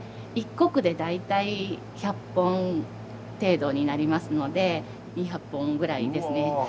１石で大体１００本程度になりますので２００本ぐらいですね。